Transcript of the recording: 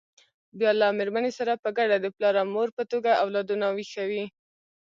بیا له مېرمنې سره په ګډه د پلار او مور په توګه اولادونه ویښوي.